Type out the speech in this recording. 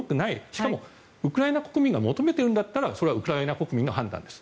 しかも、ウクライナ国民が求めているんだったらそれはウクライナ国民の判断です。